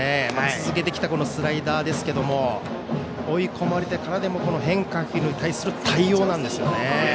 続けてきたスライダーですが追い込まれてからでも変化球に対する対応なんですね。